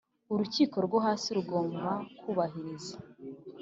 urukiko rwo hasi rugomba kubahiriza